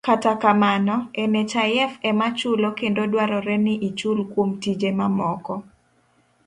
Kata kamano, nhif ema chulo kendo dwarore ni ichul kuom tije mamoko.